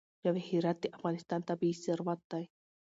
جواهرات د افغانستان طبعي ثروت دی.